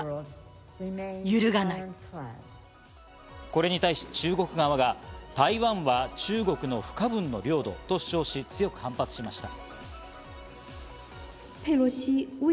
これに対し中国側が、台湾は中国の不可分の領土と主張し、強く反発しました。